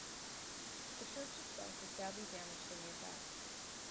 The church itself was badly damaged in the attack.